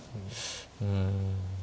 うん。